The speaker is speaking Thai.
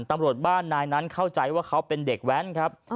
ตำรวจบ้านนายนั้นเข้าใจว่าเขาเป็นเด็กแว้นครับ